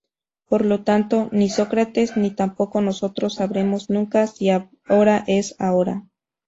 Por lo tanto, ni Sócrates ni tampoco nosotros sabremos nunca "si ahora es ahora".